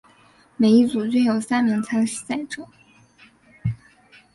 每一组均有三名参赛者。